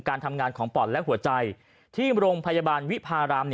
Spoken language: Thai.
การทำงานของป่อนและหัวใจที่โรงพยาบาลวิพาราม